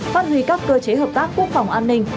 phát huy các cơ chế hợp tác quốc phòng an ninh